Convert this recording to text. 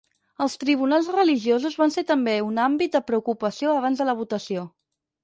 Els "tribunals religiosos" van ser també un àmbit de preocupació abans de la votació.